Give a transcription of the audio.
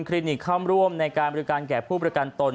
นิกเข้าร่วมในการบริการแก่ผู้ประกันตน